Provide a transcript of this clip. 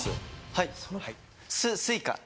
はい。